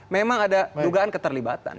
memang ada dugaan keterlibatan